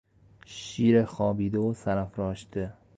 شیر خوابیده و سر افراشته